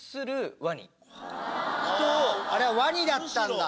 あれはワニだったんだ。